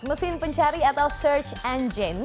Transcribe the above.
mesin pencari atau search engine